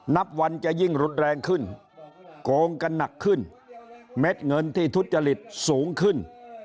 นับวันจะยิ่งรุนแรงขึ้นโกงกันหนักขึ้นเม็ดเงินที่ทุจริตสูงขึ้น